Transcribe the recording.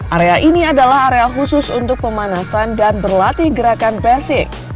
area ini adalah area khusus untuk pemanasan dan berlatih gerakan basic